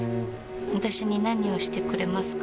私に何をしてくれますか？